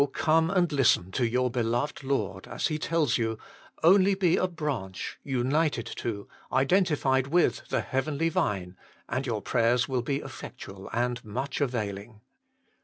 come and listen to your beloved Lord as He tells you, " only be a branch, united to, identified with, the Heavenly Vine, and your prayers will be effectual and much availing."